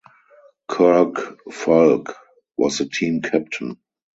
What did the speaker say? Kirk Foulke was the team captain.